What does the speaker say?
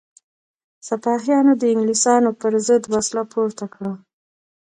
سپاهیانو د انګلیسانو پر ضد وسله پورته کړه.